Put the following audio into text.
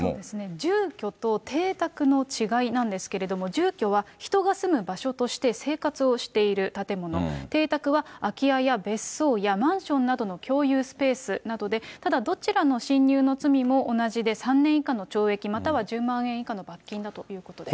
住居と邸宅の違いなんですけれども、住居は人が住む場所として生活をしている建物、邸宅は空き家や別荘やマンションなどの共有スペースなどで、ただどちらの侵入の罪も同じで、３年以下の懲役または１０万円以下の罰金だということです。